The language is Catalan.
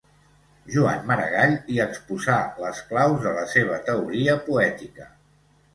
Joan Maragall hi exposà les claus de la seva teoria poètica.